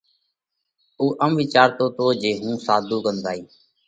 اُو ام وِيچارتو تو جي هُون ساڌُو ڪنَ زائه